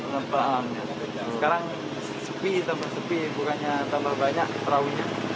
sekarang sepi tambah sepi bukannya tambah banyak perahunya